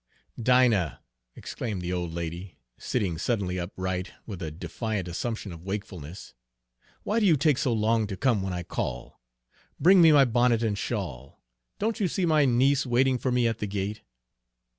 "Dinah," exclaimed the old lady, sitting suddenly upright with a defiant assumption of wakefulness, "why do you take so long to come when I call? Bring me my bonnet and shawl. Don't you see my niece waiting for me at the gate?"